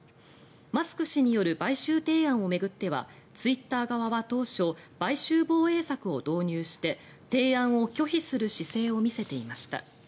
マスク氏による買収提案を巡ってはツイッター側は当初買収防衛策を導入して提案を拒否する姿勢を見せていました。